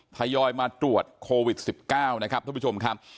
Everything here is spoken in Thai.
ทยอยมาตรวจโควิด๑๙นะครับท่านผู้ชมครับ